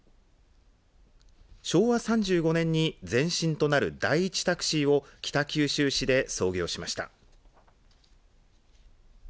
昭和３５年に前身となる第一タクシーを北九州市で創業しました。